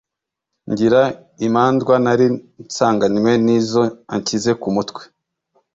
Ngira imandwa nari nsanganywe, N'izo anshyize ku mutwe